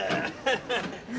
ハハハッ！